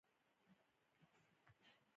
نور ډریوران یې هم له شره په امن نه وي.